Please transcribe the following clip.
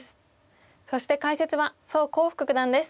そして解説は宋光復九段です。